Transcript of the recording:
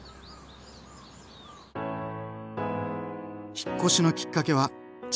引っ越しのきっかけは築